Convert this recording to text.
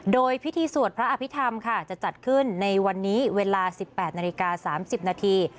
โดยพิธีสวดพระอภิษฐรรมค่ะจะจัดขึ้นในวันนี้เวลา๑๘นาฬิกา๓๐นาที